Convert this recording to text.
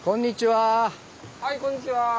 はいこんにちは。